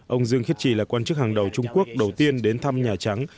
ông dương khiết trì là quan chức hàng đầu trung quốc đầu tiên đến thăm nhà trắng